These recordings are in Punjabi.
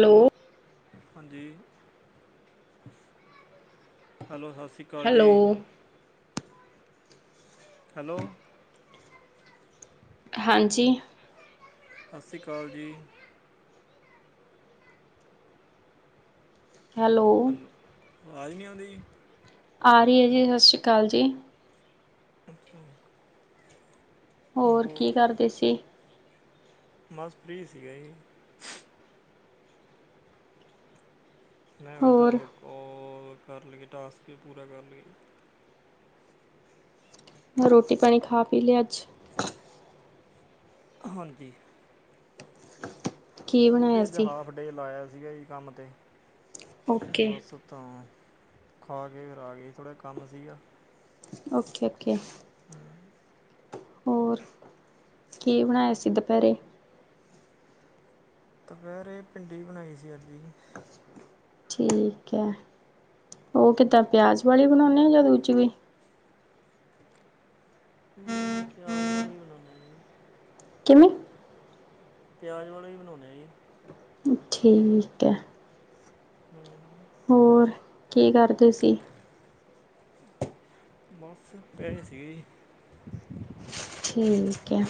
ਹਲੋ। ਹਾਂਜੀ, ਹੈਲੋ ਸਤਿ ਸ਼੍ਰੀ ਅਕਾਲ ਹੈਲੋ। ਜੀ ਹੈਲੋ। ਹਾਂਜੀ। ਸਤਿ ਸ਼੍ਰੀ ਅਕਾਲ ਜੀ। ਹੈਲੋ। ਹੈਲੋ ਆਵਾਜ਼ ਨਹੀਂ ਆਉਂਦੀ ਜੀ। ਆ ਰਹੀ ਹੈ ਜੀ, ਸਤਿ ਸ਼੍ਰੀ ਅਕਾਲ ਜੀ। ਅੱਛਾ। ਹੋਰ ਕੀ ਕਰਦੇ ਸੀ। ਬਸ ਫ੍ਰੀ ਸੀਗਾ ਜੀ। ਮੈ ਕਿਹਾ ਹੋਰ, ਚੱਲ ਕੋਲ ਕਰ ਲਈਏ ਟਾਸਕ ਵੀ ਪੂਰਾ ਕਰ ਲਈਏ। ਹੋਰ ਰੋਟੀ ਪਾਣੀ ਖਾ ਪੀ ਲਿਆ ਅੱਜ। ਹਾਂਜੀ। ਕੀ ਰੋਟੀ ਬਣਾਇਆ ਅੱਜ ਸੀ? ਹਾਫ ਡੇ ਲਾਇਆ ਸੀਗਾ ਜੀ ਕੰਮ ਤੇ ਓਕੇ। ਬਸ ਤਾਂ ਖਾ ਕੇ ਫਿਰ ਅੱਗੇ ਥੋੜ੍ਹਾ ਜੇਹਾ ਕੰਮ ਸੀਗਾ। Okay, okay. ਹੋਰ ਕੀ ਬਣਾਇਆ ਸੀ ਦੁਪਹਿਰੇ। ਦੁਪਹਿਰ ਇਹ ਭਿੰਡੀ ਬਣਾਈ ਸੀ ਅੱਜ ਜੀ। ਠੀਕ ਹੈ ਉਹ ਕਿੱਦਾਂ ਪਿਆਜ਼ ਵਾਲੀ ਬਣਾਉਂਦੇ ਆ ਦੂਜੀ ਵੀ ਹਮ ਪਿਆਜ ਵਾਲੀ ਵੀ ਬਣਾਉਂਦੇ ਨੇ ਜੀ। ਕਿਵੇਂ? ਪਿਆਜ ਵਾਲਾ ਹੀ ਬਣਾਉਂਦੇ ਹਾਂ ਜੀ। ਠੀਕ ਹੈ। ਹਮ। ਹੋਰ ਕੀ ਕਰਦੇ ਸੀ। ਬਸ ਪੈਰੇ ਸੀਗੇ ਜੀ। ਠੀਕ ਹੈ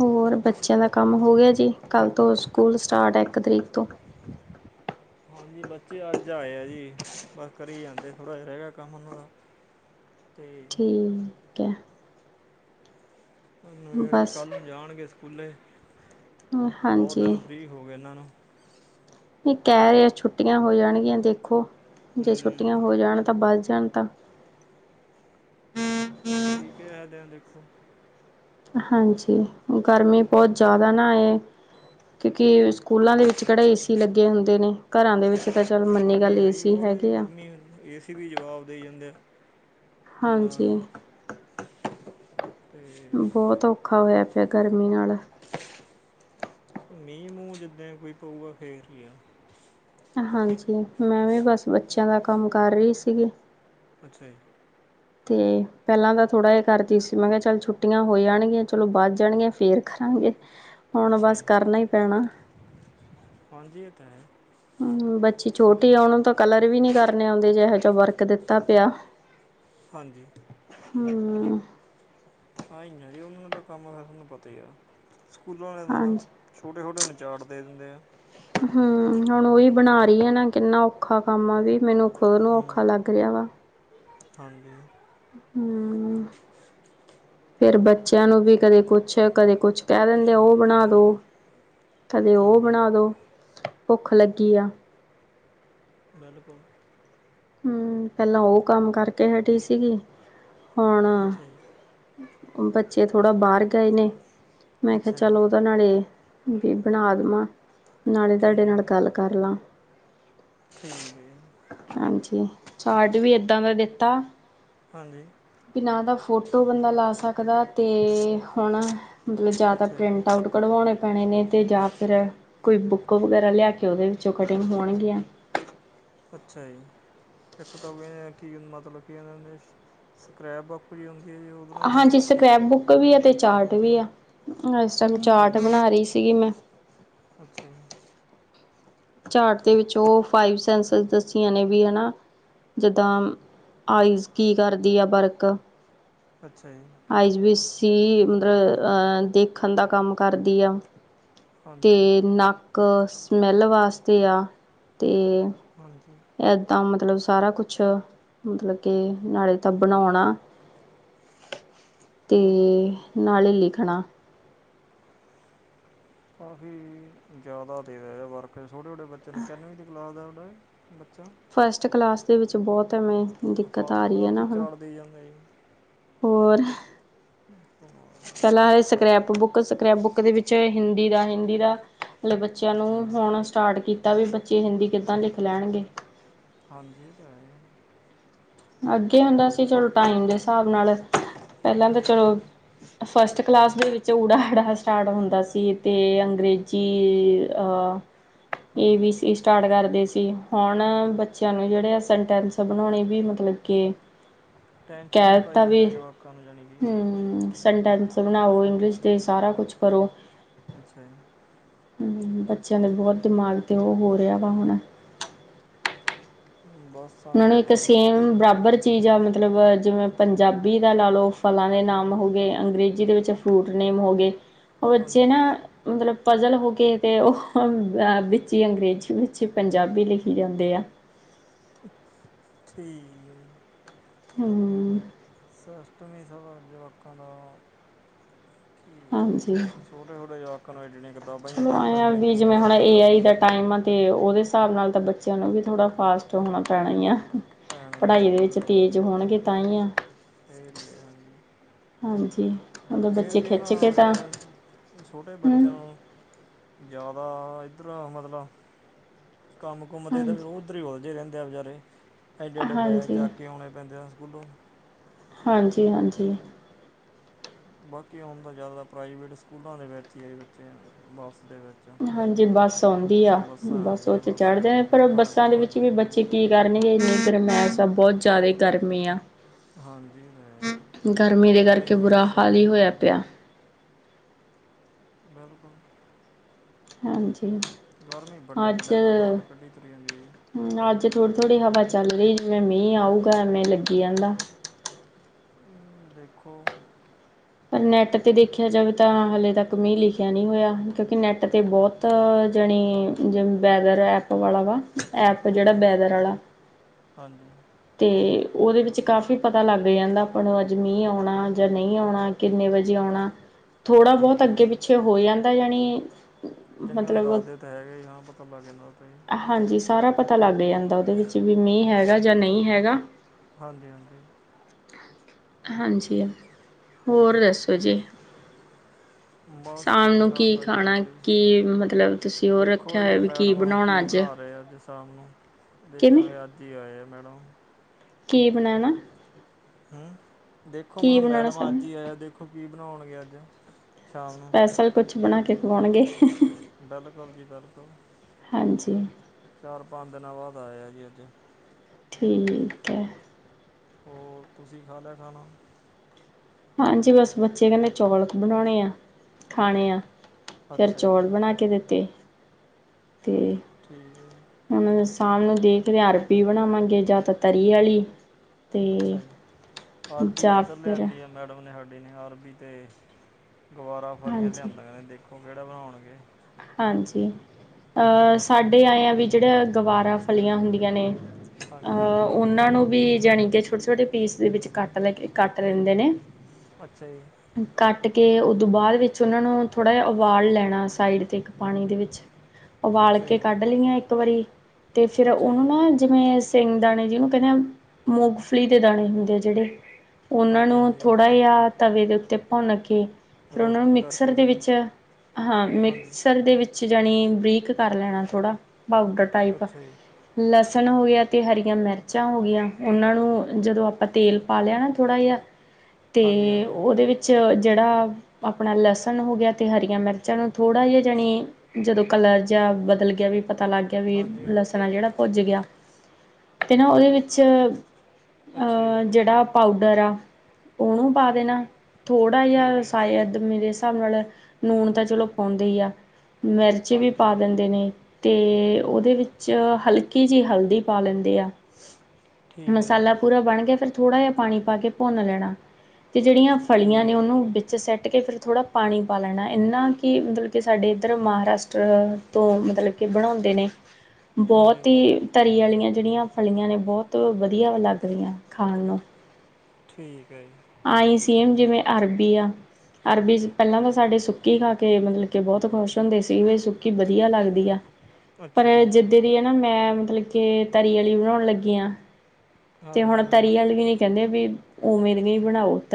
ਹੋਰ ਬੱਚਿਆਂ ਦਾ ਕੰਮ ਹੋ ਤੁਸੀਂ ਗਿਆ ਜੀ। ਕੱਲ੍ਹ ਤੋਂ ਸਕੂਲ ਸਟਾਰਟ ਹੈ ਇੱਕ ਤਰੀਕ ਤੋਂ। ਹਾਂਜੀ ਬੱਚੇ ਅੱਜ ਆਏ ਆ ਜੀ, ਬਸ ਕਰੀ ਜਾਂਦੇ ਥੋੜ੍ਹਾ ਜਿਹਾ ਰਹਿ ਗਿਆ ਕੰਮ ਉਹਨਾਂ ਦਾ। ਤੇ ਠੀਕ ਹੈ। ਮਨੂੰ ਕਹਿੰਦੇ ਬਸ ਕੱਲ੍ਹ ਨੂੰ ਜਾਣਗੇ ਸਕੂਲੇ। ਬਹੁਤ ਹਾਂਜੀ ਦਿਨ ਫਰੀ ਹੋ ਗਏ ਇਹਨਾਂ ਨੂੰ। ਨਹੀਂ ਕਹਿ ਰਹੇ ਛੁੱਟੀਆਂ ਹੋ ਜਾਣਗੀਆਂ ਦੇਖੋ, ਜੇ ਹੂੰ ਛੁੱਟੀਆਂ ਹੋ ਜਾਣ ਤਾਂ ਬਚ ਜਾਣ ਤਾਂ ਠੀਕ ਹੈ ਕਹਿੰਦੇ ਆ ਦੇਖੋ ਹਾਂਜੀ ਗਰਮੀ ਬਹੁਤ ਜ਼ਿਆਦਾ ਨਾ ਏ ਕਿਉਂਕਿ ਸਕੂਲਾਂ ਦੇ ਵਿੱਚ ਕਿਹੜੇ ਏ ਸੀ ਲੱਗੇ ਹੁੰਦੇ ਨੇ, ਘਰਾਂ ਦੇ ਵਿੱਚ ਤਾਂ ਚੱਲ ਮੰਨੀ ਗਰਮੀ ਗੱਲ ਹੈਗੀ ਏਸੀ ਬਹੁਤ ਹੈਗੇ ਆ ਗਰਮੀ ਏ ਸੀ ਵੀ ਜਵਾਬ ਦੇ ਜਾਂਦੇ ਆ। ਹਾਂਜੀ। ਨਾਲ ਅਤੇ ਬਹੁਤ ਔਖਾ ਹੋਇਆ ਪਿਆ ਗਰਮੀ ਨਾਲ। ਮੀਂਹ ਮੂੰਹ ਜਿੱਦਾਂ ਕੋਈ ਪਊਗਾ ਫੇਰ ਹੀ ਹੈ। ਹਾਂਜੀ ਮੈਂ ਵੀ ਬਸ ਬੱਚਿਆਂ ਦਾ ਕੰਮ ਕਰ ਰਹੀ ਸੀਗੀ। ਅੱਛਾ ਜੀ। ਤੇ ਪਹਿਲਾਂ ਤਾਂ ਥੋੜ੍ਹਾ ਜ ਕਰਦੀ ਸੀ ਮੈਂ ਕਿਹਾ ਚੱਲ ਛੁੱਟੀਆਂ ਹੋ ਜਾਣਗੀਆਂ ਚਲੋ ਵੱਧ ਜਾਣਗੀਆਂ ਫੇਰ ਕਰਾਂਗੇ। ਹਮ। [inaudible] ਹੁਣ ਬਸ ਕਰਨਾ ਹੀ ਪੈਣਾ। ਹਾਂਜੀ ਇਹ ਤਾਂ ਹੈ। ਹਮ ਬੱਚੀ ਛੋਟੀ ਕੰਮ ਆ ਉਹਨੂੰ ਤਾਂ ਕਲਰ ਵੀ ਨੀ ਕਰਨੇ ਆਉਂਦੇ ਜੋ ਜਿ ਵਰਕ ਦਿੱਤਾ ਪਿਆ। ਹਾਂਜੀ। ਹਮ। ਹਾਂ ਹੀ ਨਾ ਜੀ ਉਹਨਾਂ ਨੇ ਤਾਂ ਕੰਮ ਸਾਨੂੰ ਪਤਾ ਹੀ ਆ, ਸਕੂਲਾਂ ਵਾਲਿਆਂ ਦਾ ਤਾਂ ਹਾਂਜੀ ਛੋਟੇ-ਛੋਟੇ ਹੁੰਦਾ ਨੂੰ ਚਾਰਟ ਦੇ ਦਿੰਦੇ ਐ। ਹੂੰ ਹੁਨ ਓਈ ਬਨਾ ਰਈ ਆ ਨਾ ਕਿੰਨਾ ਔਖਾ ਕੰਮ ਆ ਏਵੀ ਮੈਨੂੰ ਖੁਦ ਨੂੰ ਔਖਾ ਹੂੰ ਲੱਗ ਰਿਆ ਵਾ। ਹਾਂਜੀ। ਹੂੰ, ਫੇਰ ਬੱਚੇਆਂ ਨੂੰ ਵੀ ਕਦੇ ਕੁਛ ਕਦੇ ਕੁਛ ਕੈ ਦਿੰਦੇ ਆ ਓ ਹਾਂਜੀ ਬਨਾ ਦੋ ਬਿਲਕੁਲ ਕਦੇ ਓ ਹਾਂਜੀ ਬਨਾ ਦੋ ਭੁੱਖ ਲੱਗੀ ਆ। ਬਿਲਕੁਲ। ਹੂੰ, ਪੈਲਾਂ ਓ ਕੰਮ ਕਰਕੇ ਹਟੀ ਸੀਗੀ ਹੁਣ ਅੱਛਾ ਜੀ ਬੱਚੇ ਥੋੜਾ ਬਾਰ ਗਏ ਨੇ, ਮੈਂ ਕਿਆ ਅੱਛਾ ਚਲ ਜੀ ਨਾਲੇ, ਵੀ ਬਨਾ ਦਵਾਂ ਨਾਲੇ ਤੁਆਡੇ ਠੀਕ ਨਾਲ ਹੈ ਗੱਲ ਕਰ ਲਾਂ। ਠੀਕ ਐ ਜੀ। ਹਾਂਜੀ, ਚਾਟ ਵੀ ਏਦਾਂ ਦਾ ਦਿੱਤਾ ਹਾਂਜੀ। ਵੀ ਨਾ ਦਾ ਫੋਟੋ ਬੰਦਾ ਲਾ ਸਕਦਾ ਤੇ ਹੁ ਮਤਲਬ ਜਾਅਦਾ ਅੱਛਾ ਜੀ ਪਰਿੰਟ ਆਊਟ ਕਢਵੋਣੇ ਪੈਨੇ ਨੇ ਤੇ ਯਾਂ ਫੇਰ ਕੋਈ ਬੁੱਕ ਵਗੈਰਾ ਲਿਆ ਕੇ ਓਦੇ ਵਿੱਚੋਂ ਕਟਿੰਗ ਹੋਨਗੀਆਂ। ਅੱਛਾ ਜੀ, ਇੱਕ ਤਾਂ ਮੈਂ ਕੀ ਮਤਲਬ ਕੀ ਏਨਾਂ ਦੇ ਹਾਂਜੀ ਸਕਰੈਪ ਬੁੱਕ ਵੀ ਆ ਤੇ ਚਾਟ ਹਾਂਜੀ ਵੀ ਆ‌। ਇਸ ਟੈਮ ਚਰਟ ਠੀਕ ਹੈ ਬਣਾ ਰਈ ਸੀਗੀ ਮੈਂ। ਅੱਛਾ ਜੀ। ਚਾਟ ਦੇ ਵਿੱਚ ਓ ਫਾਈਵ ਸੈਂਸਿਸ ਦੱਸੀਆਂ ਨੇ ਵੀ ਹਨਾ। ਜਿੱਦਾਂ ਆਈਜ਼ ਕੀ ਕਰਦੀ ਆ ਵਰਕ ਅੱਛਾ ਜੀ। ਆਈਜ਼ ਵੀ ਸੀ ਮਤਲਬ ਅ ਦੇਖਣ ਦਾ ਕੰਮ ਕਰਦੀ ਆ। ਹਾਂਜੀ ਤੇ ਨੱਕ ਸਮੈੱਲ ਵਾਸਤੇ ਆ, ਤੇ ਹਾਂਜੀ। ਏਦਾਂ ਮਤਲਬ ਸਾਰਾ ਕੁਛ, ਮਤਲਬ ਕੇ ਨਾਲੇ ਤਾਂ ਬਣੋਣਾ [unintelligible] ਤੇ ਨਾਲੇ ਲਿਖਣਾ। ਕਾਫੀ ਜਾਅਦਾ ਦੇ ਰਏ ਐ ਵਰਕ ਛੋਟੇ-ਛੋਟੇ ਬੱਚੇ ਨੇ ਕਿੰਨ ਵੀਂ ਦੀ ਕਲਾਸ ਦਾ ਬੱਚਾ? ਫਸਟ ਕਲਾਸ ਦੇ ਵਿੱਚ ਬੋਤ ਐ ਮੈਂ ਫਾਸਟ ਕਲਾਸ ਚ ਈ ਚਾਟ ਦੇਈ ਜਾਂਦੇ ਜੀ। ਹੋਰ। [inaudible] ਪੈਲਾਂ ਹੈ, ਸਕਰੈਪ ਬੁੱਕ, ਸਕਰੈਪ ਬੁੱਕ ਦੇ ਵਿੱਚ ਹਿੰਦੀ ਦਾ, ਹਿੰਦੀ ਦਾ ਹਲੇ ਬੱਚੇਆਂ ਨੂੰ, ਅੱਛਾ ਜੀ ਹੁਣ ਸਟਾਰਟ ਕੀਤਾ ਵੇ ਬੱਚੇ ਹਿੰਦੀ ਕਿੱਦਾਂ ਲਿਖ ਲੈਨਗੇ। ਹਾਂਜੀ, ਏ ਤਾਂ ਹੈ। ਅੱਗੇ ਹੁੰਦਾ ਸੀ ਚਲੋ ਟਾਈਮ ਦੇ ਸਾਬ ਨਾਲ, ਪੈਲਾਂ ਤਾ ਚਲੋ। ਬਿਲਕੁਲ ਜੀ। ਫ਼ਸਟ ਕਲਾਸ ਦੇ ਵਿੱਚ ਓੜਾ-ਐੜਾ ਸਟਾਰਟ ਹੁੰਦਾ ਸੀ ਤੇ ਅੰਗਰੇਜ਼ੀ ਅਹ ਹਾਂਜੀ ਏ-ਬੀ-ਸੀ ਸਟਾਰਟ ਕਰਦੇ ਸੀ, ਹੁਨ ਬੱਚੇਆਂ ਨੂੰ ਜੇੜੇ ਆ ਸਨਟੈਂਸ ਬਨੋਨੇ ਵੀ ਲੱਗੇ, ਟੈਨਸ਼ਨ ਕੈ ਹੀ ਪਾਈ ਦਿੱਤਾ ਵੀ, ਜਾਂਦੇ ਜਵਾਕਾਂ ਨੂੰ ਜਾਣੀ ਕਿ ਹੂੰ। ਸਨਟੈਂਸ ਬਨਾਓ ਇੰਗਲਿਸ਼ ਦੇ ਸਾਰਾ ਕੁਛ ਕਰੋ। ਅੱਛਾ ਜੀ। ਹੂੰ, ਬੱਚੇਆਂ ਦੇ ਬੋਤ ਦਿਮਾਗ ਤੇ ਓ ਹੋ ਰਿਆ ਵਾ ਹੁਨ। ਬਸ। ਹੁਨ ਆਏ ਇਕ ਆ ਜੀ ਸੇਮ ਬਰਾਬਰ 'ਚ ਤੀਜਾ ਮਤਲਬ, ਜਿਵੇਂ ਪੰਜਾਬੀ ਦਾ ਲਾ ਲਓ ਫਲਾਂ ਦੇ ਨਾਮ ਹੋ ਗਏ ਅੰਗਰੇਜੀ ਦੇ ਵਿੱਚ ਫਰੂਟ ਨੇਮ ਹੋ ਗੇ ਓ ਬੱਚੇ ਹਾਂਜੀ ਨਾ ਮਤਲਬ ਪਜ਼ਲ ਹੋਗੇ ਤੇ ਓ, ਵਿੱਚ ਈ ਅੰਗਰੇਜੀ, ਵਿੱਚ ਈ ਪੰਜਾਬੀ ਲਿਖੀ ਜਾਂਦੇ ਆ। ਠੀਕ ਐ। ਹੂੰ ਕਸਟ ਹਮੇਸ਼ਾ ਵਧਦਾ ਜਵਾਕਾਂ ਦਾ ਹਾਂਜੀ। ਛੋਟੇ-ਛੋਟੇ ਜਵਾਕਾਂ ਨਾਲ ਐਡੀਆਂ-ਐਡੀਆਂ ਗੱ ਚਲੋ ਐਂ ਆ ਵੀ, ਜਿਵੇਂ ਹੁਨ ਏ-ਆਈ ਦਾ ਨਾ ਟੈਮ ਆ ਤੇ ਓਦੇ ਹਸਾਬ ਨਾਲ ਤਾਂ ਬੱਚੇਆਂ ਨੂੰ ਵੀ ਥੋੜਾ ਫਾਸਟ ਹੋਨਾ ਪੈਣਾ ਈ ਐ। ਪੈਣਾ ਹੀ ਹੈ ਜੀ, ਪੜਾਈ ਦੇ ਵਿੱਚ ਤੇਜ ਹੋਣਗੇ ਤਾਂਈ ਆ। ਫੇਲ ਈ ਐ ਹਾਂਜੀ। ਹਾਂਜੀ। ਪਰ ਉਦੋਂ ਫੇਰ ਬੱਚੇ ਵੀ ਏ ਖਿੱਚ ਕੇ ਨਾਂ ਤਾਂ ਜਿਵੇਂ ਛੋਟੇ ਹਮ ਬੱਚੇਆਂ ਨੂੰ ਜਾਦਾ ਇੱਧਰ ਮਤਲਬ, ਕੰਮ -ਕੁੁੰਮ ਤੇ [unintelligible] ਏਧਰ ਹਾਂਜੀ ਈ ਉਲਝੇ ਰੈਂਦੇ ਆ ਵਿਚਾਰੇ, ਐਡੇ -ਐੱਡੇ ਬੈਗ ਹਾਂਜੀ ਚੱਕ ਕੇ ਆਉਨੇ ਪੈਂਦੇ ਆ ਸਕੂਲੋਂ। ਹਾਂਜੀ- ਹਾਂਜੀ। ਬਾਕੀ ਹੁਨ ਤਾਂ ਜਾਦਾ ਪ੍ਰਾਈਵੇਟ ਸਕੂਲਾਂ ਦੇ ਵਿੱਚ ਈ ਐ ਬੱਚੇ, ਬੱਸ ਦੇ ਵਿੱਚ। ਹਾਂਜੀ ਬੱਸ ਔਂਦੀ ਆ ਬੱਸਾਂ ਬੱਸ ਆਉਂਦੀਆਂ ਵਿੱਚ ਚੜਦੇ ਜਾਂਦੀਆਂ ਨੇ ਪਰ ਘਰਾਂ ਬੱਸਾਂ ਕੋਲ ਦੇ ਵਿੱਚ ਆਉਂਦੀਆਂ ਵੀ ਬੱ ਨੇ ਚੇ, ਕੀ ਕਰਨਗੇ [unintelligible] ਬੋਤ ਜਾਦਾ ਈ ਗਰਮੀ ਆ। ਹਾਂਜੀ ਇਹ ਤਾਂ ਹੈ ਜੀ। ਗਰਮੀ ਦੇ ਕਿਹੜਾ ਕਰਕੇ ਏਸੀ ਬੁਰਾ ਬੱਸਾਂ ਹਾਲ ਈ ਆਉਂਦੀਆਂ ਹੋਏਆ ਪੇਆ। ਨੇ ਬਿਲਕੁਲ। ਹਾਂਜੀ। ਗਰਮੀ ਵੱਡੇ- ਅੱਜ ਵੱਡੇਆਂ ਦਾ ਡਾਟ ਕੱਢੀ ਚਲੀ ਜਾਂਦੀ ਐ ਜੀ। ਅੱਜ ਥੋੜੀ- ਥੋੜੀ ਹਵਾ ਚੱਲ ਰਈ ਜਿਵੇਂ ਮੀਂ ਆਊਗਾ ਐਂਵੇ ਲੱਗੀ ਜਾਂਦਾ। ਹਮ, ਦੇਖੋ। ਪਰ ਨੈੱਟ ਤੇ ਦੇਖੇਆ ਜਾਵੇ ਤਾਂ, ਹਲੇ ਤੱਕ ਮੀਂ ਲਿਖੇਆ ਨੀਂ ਹੋਏਆ, ਕਿਉਂਕਿ ਨੈੱਟ ਤੇ ਬੌਤ ਤਾਂ, ਜਨੀ ਜ ਵੈਦਰ ਐਪ ਵਾਲਾ ਵਾ। ਐਪ, ਜੇੜਾ ਹਾਂਜੀ ਬੈਦਰ ਆਲਾ। ਹਾਂਜੀ ਤੇ ਓਦੇ ਵਿੱਚ ਕਾਫੀ ਪਤਾ ਲੱਗ ਜਾਂਦਾ ਆਪਾਂ ਨੂੰ, ਅੱਜ ਮੀਂ ਆਉਣਾ ਜਾਂ ਨਈਂ ਆਉਣਾ। ਕਿੰਨੇ ਵਜੇ ਔਣਾ ਥੋੜਾ ਬੋਤ ਠੀਕ ਹੈ ਅੱਗੇ -ਪਿੱਛੇ ਹੋ ਜਾਂਦਾ ਯਾਨੀ ਕੁਝ ਨੀਂ, ਦੱਸਦੇ ਤੇ ਹੈਗੇ ਹੀ ਆਂ ਪਤਾ ਲੱਗ ਜਾਂਦਾ ਓਥੇ ਈ। ਹਾਂਜੀ ਸਾਰਾ ਪਤਾ ਲੱਗ ਜਾਂਦਾ, ਓਦੇ ਵਿੱਚ ਵੀ ਮੀਂ ਹੈਗਾ ਜਾਂ ਨਈ ਹੈਗਾ। ਹਾਂਜੀ- ਹਾਂਜੀ। ਹਾਂਜੀ। ਹੋਰ, ਦੱਸੋ ਜੀ? ਬਾਸ ਸ਼ਾਮ ਠੀਕ- ਨੂੰ ਕੀ ਠਾਕ ਆ ਜੀ ਖਾਣਾ ਵਧੀਆ ਜੀ, ਕੀ ਮਤਲਬ ਤੁਸੀਂ ਉਹ ਦੇਖੋ ਰੱਖਿਆ ਜੀ ਹੋਇਆ ਵੀ ਮੈਡਮ ਹੁਨ ਬਣਾਉਣਾ ਕੀ ਅੱਜ ਬਨਾ ਰਏ ਆ ਅੱਜ ਸ਼ਾਮ ਨੂੰ ਕਿਵੇਂ ਦੇਖਾਂਗੇ, ਅੱਜ ਈ ਆਏ ਆ ਮੈਡਮ। ਕੀ ਬਨਾਨਾ? ਹਮ, ਦੇਖੋ ਮੈ ਖਹਾਂ ਬਣਾਉਣਾ ਮੈਡਮ ਸਾਨੂੰ ਅੱਜ ਈ ਆਏ, ਦੇਖੋ ਕੀ ਬਨਾਓਣਗੇ ਅੱਜ ਸ਼ਾਮ ਨੂੰ ਸਪੈਸ਼ਲ ਕੁਛ ਬਨਾ ਕੇ ਖਵਾਓਨਗੇ ਬਿਲਕੁਲ ਜੀ -ਬਿਲਕੁਲ। ਹਾਂਜੀ ਚਾਰ ਪੰਜ ਦਿਨਾਂ ਬਾਦ ਆਯਾ ਜੀ ਅੱਜ। ਠੀਕ ਐ। ਹੋਰ ਤੁਸੀਂ ਖਾ ਲਿਆ ਖਾਣਾ? ਹਾਂਜੀ ਬਸ ਬੱਚੇ ਕੈਦੇ ਚੌਲ ਬਣਾਣੇ ਆ। ਖਾਣੇ ਆ, ਫੇਰ ਅੱਛਾ ਜੀ ਚੌਲ ਬਣਾ ਕੇ ਦਿੱਤੇ ਤੇ ਠੀਕ ਐ ਜੀ। ਹੁਣ ਸਾਮ ਨੂੰ ਦੇਖਦੇ ਅਰਬੀ ਬਣਾਵਾਂਗੇ ਜਾਂ ਤਾਂ ਤਰੀ ਆਲੀ ਅੱਛਾ ਜੀ, ਅਰਬੀ ਜਾਂ ਇੱਧਰ ਫਿਰ ਲਿਆਂਦੀ ਐ ਮੈਡਮ ਨੇ ਸਾਡੀੇ ਨੇ ਅਰਬੀ ਤੇ ਗਵਾਰਾਂ ਫਲੀਆਂ ਹਾਂਜੀ ਲਿਆਂਦਾ ਆ ਦੇਖੋ ਕੇੜਾ ਬਣਾਉਣਗੇ। ਹਾਂਜੀ ਅਹ ਸਾਡੇ ਆਏ ਆ ਵੀ ਜੇੜਾ ਗਵਾਰਾਂ ਫਲੀਆਂ ਹੁੰਦੀਆਂ ਨੇ ਹਾਂਜੀ ਅਹ ਉਨਾਂ ਨੂੰ ਵੀ ਜਾਣੀ ਕਿ ਛੋਟੇ-ਛੋਟੇ ਪੀਸ ਦੇ ਵਿੱਚ ਕੱਟ ਲੈਕੇ ਕੱਟ ਲੈਂਦੇ ਨੇ। ਅੱਛਾ ਜੀ। ਕੱਟ ਕੇ ਉਦੋਂ ਬਾਅਦ ਵਿੱਚ ਉਹਨਾਂ ਨੂੰ ਥੋੜ੍ਹਾ ਜਿਹਾ ਉਬਾਲ ਲੈਣਾ ਸਾਈਡ ਪਾਨੀ ਦੇ ਵਿੱਚ, ਉਬਾਲ ਅੱਛਾ ਕੇ ਜੀ ਕੱਢ ਲਈਆਂ ਇੱਕ ਵਾਰੀ ਤੇ ਫੇਰ ਅੱਛਾ ਓਨੂੰ ਜੀ ਨਾ ਜਿਵੇਂ ਸਿੰਘ ਦਾਣੇ ਜੀਨੂੰ ਕਹਿੰਦੇ ਮੂੰਗਫਲੀ ਦੇ ਦਾਣੇ ਹੁੰਦੇ ਆ ਜੇੜੇ। ਉਨਾਂ ਹਾਂਜੀ ਨੂੰ ਹਾਂਜੀ ਥੋੜ੍ਹਾ ਜਿਹਾ ਤਵੇ ਦੇ ਉੱਤੇ ਭੁੰਨ ਕੇ ਫੇਰ ਓਨੂ ਨੂੰ ਰੋਸਟਡ ਮਿਕਸਰ ਕਰਕੇ ਦੇ ਜਾਣੀ ਜੀ ਵਿੱਚ ਹਾਂ ਮਿਕ ਹਾਂਜੀ ਦੇ ਵਿੱਚ ਜਾਣੀ ਬਰੀਕ ਕਰ ਲੈਣਾ ਥੋੜਾ ਪਾਊਡਰ ਟਾਈਪ ਅੱਛਾ ਜੀ ਲਸਣ ਹੋ ਗਿਆ ਤੇ ਹਰੀਆਂ ਮਿਰਚਾਂ ਹੋ ਗਈਆਂ ਉਨਾਂ ਨੂੰ ਜਦੋਂ ਆਪਾਂ ਤੇਲ ਪਾ ਲਿਆ ਨਾ ਥੋੜ੍ਹਾ ਜਿਆ ਹ [inaudible] ਤੇ ਉਹਦੇ ਵਿੱਚ ਜੇੜਾ ਆਪਣਾ ਲਸਣ ਹੋ ਗਿਆ ਤੇ ਹਰੀਆਂ ਮਿਰਚਾਂ ਨੂੰ ਥੋੜ੍ਹਾ ਜਿਹਾ ਜਾਣੀ ਜਦੋਂ ਕਲਰ ਜਿਆ ਬਦਲ ਗਿਆ ਵੀ ਪਤਾ ਲੱਗ ਗਿਆ ਵੀ ਹਾਂਜੀ ਹਾਂਜੀ ਲਸਣ ਆ ਜੇੜਾ ਪੁੱਜ ਗਿਆ ਤੇ ਨਾ ਉਦੇ ਵਿੱਚ ਅੱਛਾ ਜੀ ਜੇੜਾ ਪਾਊਡਰ ਆ ਉਨੂੰ ਪਾ ਦੇਣਾ, ਥੋੜ੍ਹਾ ਠੀਕ ਜਿਹਾ ਹੈ ਜੀ ਸ਼ਾਇਦ ਮੇਰੇ ਹਿਸਾਬ ਨਾਲ ਨੂਨ ਤਾਂ ਚਲੋ ਪਾਉਂਦੇ ਈ ਆ, ਮਿਰਚ ਵੀ ਹਾਂਜੀ ਪਾ ਦਿੰਦੇ ਨੇ। ਤੇ ਉਦੇ ਵਿੱਚ ਹਲਕੀ ਜਿਹੀ ਹਲਦੀ ਪਾ ਲੈਂਦੇ ਆ। ਠੀਕ ਹੈ ਜੀ ਮਸਾਲਾ ਪੂਰਾ ਬਣ ਗਿਆ ਫੇਰ ਥੋੜ੍ਹਾ ਜਿਹਾ ਪਾਣੀ ਪਾ ਕੇ ਭੁੰਨ ਲੈਣਾ ਤੇ ਜੇੜੀਆਂ ਫਲੀਆਂ ਠੀਕ ਨੇ ਹੈ ਜੀ ਉਨੂੰ ਵਿੱਚ ਸੁੱਟ ਕੇ ਫਿਰ ਥੋੜ੍ਹਾ ਪਾਨੀ ਪਾ ਲੈਣਾ, ਇੰਨਾ ਕਿ ਮਤਲਬ ਕਿ ਸਾਡੇ ਇੱਧਰ ਮਹਾਰਾਸ਼ਟਰ ਤੋਂ ਮਤਲਬ ਕਿ ਬਣਾਉਂਦੇ ਨੇ ਬੋਤ ਹਾਂਜੀ ਈ ਤਰੀ ਆਲੀਆਂ ਜੇੜੀਆਂ ਫਲੀਆਂ ਨੇ ਬੋਤ ਵਧੀਆ ਲੱਗਰੀਆਂ ਖਾਣ ਨੂੰ। ਠੀਕ ਐ ਜੀ। ਆਈ ਸੀ ਹੂ ਜਿਵੇਂ ਅਰਬੀ ਆ। ਅਰਬੀ ਪੇਲਾਂ ਤਾਂ ਸਾਡੇ ਸੁੱਕੀ ਖਾ ਕੇ ਮਤਲਬ ਕਿ ਬੋਤ ਖੁਸ਼ ਹੁੰਦੇ ਸੀ ਵੀ ਸੁੱ ਕੀ ਵਧੀਆ ਲੱਗਦੀ ਆ, ਪਰ ਅੱਛਾ ਜੀ ਜੇ ਜੇਰੀ ਐ ਨਾ ਮੈਂ ਮਤਲਬ ਕੇ ਤਰੀ ਆਲੀ ਬਣਾਉਣ ਲੱਗੀ ਆ ਤੇ ਹਾਂਜੀ ਹੁਣ ਹਾਂਜੀ ਤਰੀ ਆਲੀ ਵੀ ਨ ਕੇਂਦੇ ਵੀ ਉਵੇਂ ਦੀ ਬਣਾਓ ਤ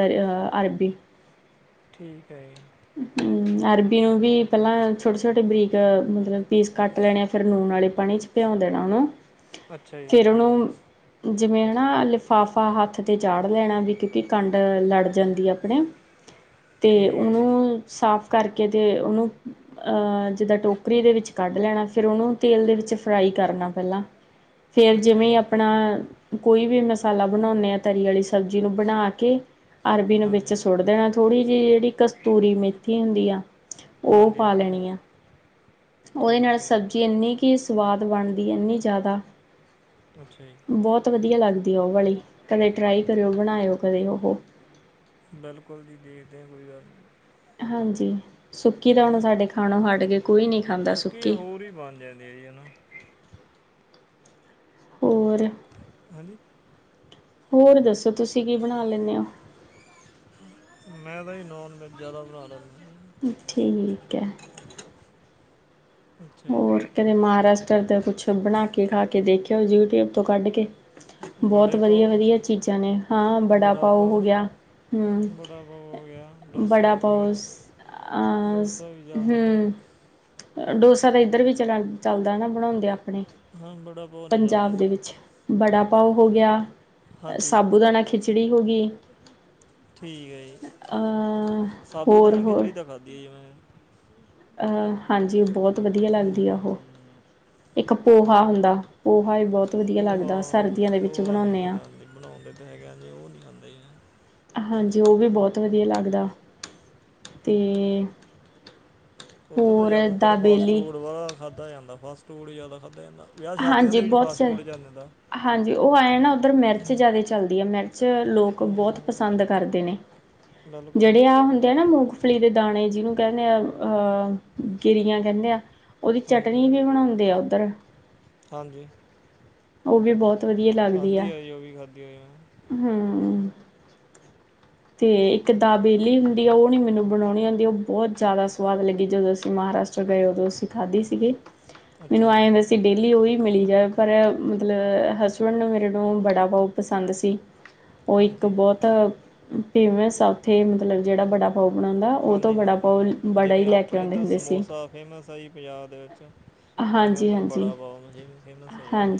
ਅਰਬੀ। ਠੀਕ ਐ ਜੀ। ਹੂੰ ਅਰਬੀ ਨੂੰ ਵੀ ਪੇਲਾਂ ਛੋਟੇ-ਛੋਟੇ ਬਰੀਕ ਮਤਲਬ ਪੀਸ ਕੱਟ ਲੈਣੇ ਆ ਫੇਰ ਨੂਣ ਆਲੇ ਪਾਨੀ ਚ। ਭਿਯੋ ਦੇਣਾ ਓਨੂੰ, ਅੱਛਾ ਜੀ ਫੇਰ ਓਨੂੰ ਜਿਵੇਂ ਹਨਾ ਲਿਫਾਫਾ ਹੱਥ ਤੇ ਚਾੜ ਲੈਣਾ ਵੀ ਕਿਉਂਕਿ ਕੰਡ ਲੜ ਜਾਂਦੀ ਅਪਣੇ। [unintelligible] ਤੇ ਹੈ ਓਨੂੰ ਜੀ ਸਾਫ਼ ਕਰਕੇ ਤੇ ਓਨੂੰ ਜਿੱਦਾਂ ਟੋਕਰੀ ਦੇ ਵਿੱਚ ਕੱਢ ਲੈਣਾ, ਫੇਰ ਉਨੂੰ ਤੇਲ ਦੇ ਵਿੱਚ ਫਰਾਈ ਕਰਨਾ ਪੈਲਾਂ। [inaudible] ਫੇਰ ਜਿਵੇਂ ਜੀ ਆਪਣਾ, ਕੋਈ ਵੀ ਮਸਾਲਾ ਬਣਾਉਂਨੇ ਆ ਤਰੀ ਵਾਲੀ ਸਬਜ਼ੀ ਨੂੰ ਬਣਾ ਕੇ ਅਰਬੀ ਨੂੰ ਵਿੱਚ ਹਾਂਜੀ ਸੁੱਟ ਦੇਣਾ, ਥੋੜ੍ਹੀ ਜਿਹੀ ਜਿਹੜੀ ਕਸਤੂਰੀ ਮੇਥੀ ਹੁੰਦੀ ਆ ਉਹ ਹਾਂਜੀ ਪਾ ਹਾਂਜੀ ਲੈਣੀ ਆ, ਉਹਦੇ ਨਾਲ ਠੀਕ ਹੈ ਸਬਜ਼ੀ ਜੀ ਇੰਨੀ ਨੀ ਸਵਾਦ ਬਣਦੀ ਇੰਨੀ ਜ਼ਿਆਦਾ ਅੱਛਾ ਜੀ ਬਹੁਤ ਵਧੀਆ ਲੱਗਦੀ ਆ ਉਹ ਵਾਲੀ, ਕਦੇ ਟਰਾਈ ਕਰਿਓ ਬਣਾਇਓ ਕਦੇ ਉਹ। ਬਿਲਕੁਲ ਜੀ, ਦੇਖਦੇ ਆ ਕੋਈ ਗੱਲ ਨੀ। ਹਾਂਜੀ, ਸੁੱਕੀ ਤਾਂ ਹੁਣ ਸਾਡੇ ਖਾਣੋ ਹਟ ਗੇ, ਕੋਈ ਨੀ ਖਾਂਦਾ ਸੁੱਕੀ। ਪੂਰੀ ਬਣ ਜਾਂਦੀ ਐ, ਹਨਾ? ਹੋਰ ਹੈਜੀ ਹੋਰ ਦੱਸੋ ਤੁਸੀਂ ਕੀ ਬਣਾ ਲੈਂਨੇ ਔ? ਮੈਂ ਤਾਂ ਜੀ ਨਾਨ ਵੈਜ ਜ਼ਿਆਦਾ ਬਣਾ ਲੈਂਨਾ। ਠੀਕ ਐ। ਅੱਛਾ ਜੀ ਹੋਰ ਕਦੇ ਮਹਾਰਾਸ਼ਟਰ ਦਾ ਕੁਛ ਬਣਾ ਕੇ ਖਾ ਕੇ ਦੇਖਿਓ, ਯੂਟਿਊਬ ਤੋਂ ਕੱਢ ਕੇ। ਬਹੁਤ ਬੜੇ ਪਾਓ ਵਧੀਆ-ਵਧੀਆ ਚੀਜ਼ਾਂ ਨੇ ਹਾਂ ਬੜਾ ਪਾਓ ਹੋ ਗਿਆ, ਹੂੰ ਵੜਾ ਪਾਓ ਹੋ ਗਿਆ ਡੋਸਾ ਹੋ ਗਿਆ, ਅ ਡੋਸਾ ਵੀ ਜਿਆਦਾ ਤਰ ਹਮ ਡੋਸਾ ਤਾਂ ਇੱਧਰ ਵੀ ਚਲਨ ਚੱਲਦਾ ਨਾ ਬਣਾਦੇ ਆਪਣੇ। ਹਾਂ ਬੜਾ ਪਾਓ ਨਹੀਂ ਚੱਲਦਾ ਪੰਜਾਬ ਦੇ ਇੱਧਰ ਵਿੱਚ, ਬੜਾ ਭਾਓ ਹੋ ਗਿਆ ਹਾਂਜੀ ਸਾਬੂ ਦਾਣਾ ਖਿਚੜੀ ਹੋ ਗਈ। ਠੀਕ ਐ ਜੀ, ਅ ਸਾਬੂ ਹੋਰ ਦਾਨਾ ਖਿਚੜੀ ਤਾਂ ਖਾਧੀ ਐ ਜੀ ਮੈਂ। ਅਹ ਹਾਂਜੀ ਬਹੁਤ ਵਧੀਆ ਲੱਗਦੀ ਆ ਉਹੋ। ਹਮ, ਇੱਕ ਪੋਹਾ ਹੁੰਦਾ, ਪੋਹਾ ਵੀ ਬਹੁਤ ਵਧੀਆ ਪੋਹਾ ਲੱਗਦਾ ਹੂੰ ਸਰਦੀਆਂ ਦੇ ਵਿੱਚ ਪੋਹਾ ਨੀ ਬਣਾਉਂਦੇ ਹਾਂ ਖਾਦਾ ਬੀ ਬਣਾਦੇ ਤਾਂ ਹੈਗੇ ਆ ਜੀ, ਉਹ ਨੀ ਖਾਂਦਾ ਜੀ ਮੈਂ। ਹਾਂਜੀ, ਉਹ ਵੀ ਬਹੁਤ ਵਧੀਆ ਲੱਗਦਾ ਤੇ ਔਦਰ ਤਾਂ ਹੋਰ ਜ਼ਿਆਦਾਤਰ ਫਾਸਟ ਦਾਬੇਲੀ ਫੂਡ ਬਾਲਾ ਖਾਦਾ ਜਾਂਦਾ ਫਾਸਟ ਫੂਡ ਈ ਜ਼ਿਆਦਾ ਖਾਦਾ ਜਾਂਦਾ। ਵਿਆਹ ਸ਼ਾਦੀਆਂ ਹਾਂਜੀ, ਦੇ ਵਿੱਚ ਬਹੁਤ ਫਾਸਟ ਸਾਰੇ। ਫੂਡ ਚੱਲ ਜਾਂਦਾ ਦਾ ਹਾਂਜੀ, ਉਹ ਆਏ ਨਾ ਉੱਧਰ ਮਿਰਚ ਜ਼ਿਆਦਾ ਚਲਦੀ ਐ ਮਿਰਚ ਲੋਕ ਬਹੁਤ ਪਸੰਦ ਹਮ, ਕਰਦੇ ਨੇ। ਬਿਲਕੁਲ ਜਿਹੜੇ ਆਹ ਹੁੰਦੇ ਆ ਨਾ ਮੂੰਗ ਮੂਫਲੀ ਦੇ ਦਾਣੇ ਜਿਹਨੂੰ ਕਹਿੰਦੇ ਆ ਅਹ ਗਿਰੀਆਂ ਕਹਿੰਦੇ ਆ। ਉਹਦੀ ਚਟਨੀ ਹਾਂਜੀ ਵੀ ਬਣਾਉਂਦੇ ਆ ਉੱਧਰ। ਹਾਂਜੀ, ਉਹ ਵੀ ਬਹੁਤ ਵਧੀਆ ਲੱਗਦੀ ਖਾਧੀ ਆ ਜੀ ਉਹ ਵੀ ਖਾਧੀ ਆ ਜੀ ਮੈਂ। ਹੂੰ, [inaudible] ਤੇ ਇੱਕ ਦਾਬੇਲੀ ਹੁੰਦੀ ਆ ਉਹ ਨੀ ਮੈਨੂੰ ਬਣਾਉਣੀ ਆਉਂਦੀ ਉਹ ਬਹੁਤ ਜ਼ਿਆਦਾ ਸਵਾਦ ਲੱਗੀ, ਜਦੋਂ ਅਸੀਂ ਮਹਾਰਾਸ਼ਟਰ ਗਏ ਔ ਜੋ ਅਸੀਂ ਖਾਧੀ ਸੀਗੀ, ਅੱਛਾ ਮੈਨੂੰ ਆਏਂ ਜੀ ਹੁੰਦਾ ਸੀ ਡੇਲੀ ਉਹੀ ਮਿਲੀ ਜਾਵੇ ਪਰ ਮਤਲਬ ਅਹ ਹਸਬੈਂਡ ਨੂੰ ਮੇਰੇ ਨੂੰ ਬੜਾ ਪੳ ਪਸੰਦ ਸੀ। ਉਹ ਇੱਕ ਹਾਂਜੀ ਬਹੁਤ ਅ ਫੇਮਸ ਆ ਉੱਥੇ ਮਤਲਬ ਜਿਹੜਾ ਬੜਾ ਪਾਓ ਬਣਾਉਂਦਾ ਉਹ ਤੋਂ ਬੜਾ ਹਾਂਜੀ-ਹਾਂਜੀ, ਪਾਓ ਬੜਾ ਹੀ ਜਿਵੇਂ ਲੈ ਕੇ ਆਪਣੇ ਆਉਂਦੇ ਇੱਧਰ ਹੁੰਦੇ ਸੀ ਸਮੋਸਾ ਫੇਮਸ ਆ ਜੀ ਪੰਜਾਬ ਦੇ ਵਿੱਚ। ਉਵੇਂ ਹਾਂਜੀ ਉਧਰ ਹਾਂਜੀ ਬੜਾ ਪਾਓ ਅ ਜੀ ਫੇਮਸ ਐ ਜਿਆਦਾ ਜੀ ਹਾਂਜੀ